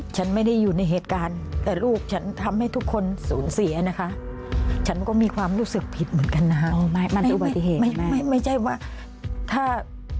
ฉันไม่ได้อยู่ในเหตุการณ์แต่ลูกฉันทำให้ทุกคนสูญเสียนะคะฉันก็มีความรู้สึกผิดเหมือนกันนะฮะไม่ใช่ว่าถ้า